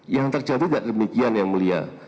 yang terjadi gak demikian ya mulia